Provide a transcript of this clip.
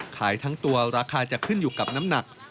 ขายทั้งตัวราคาจะขึ้นอยู่กับน้ำหนัก